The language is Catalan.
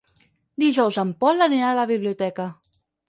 Dijous en Pol anirà a la biblioteca.